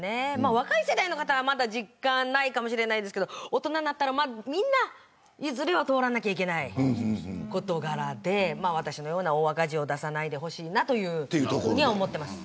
若い世代の方はまだ実感ないかもしれないですが大人になったらみんな、いずれは通らなければいけない事柄で私のような大赤字を出さないでほしいなと思ってます。